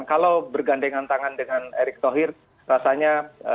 kalau bergandengan tangan dengan erick thohir rasanya